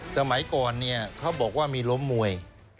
สมัยก่อนเนี่ยเขาบอกว่ามีล้มมวย